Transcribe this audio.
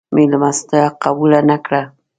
مېلمستیا قبوله نه کړه.